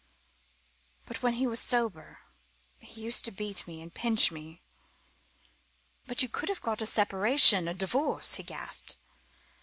But when he was sober he used to beat me and pinch me " "But but you could have got a separation, a divorce," he gasped.